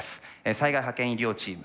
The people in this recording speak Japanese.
災害派遣医療チーム。